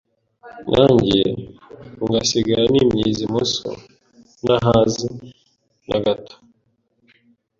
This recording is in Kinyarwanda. nanjye ngasigara nimyiza imoso, ntahaze na gato.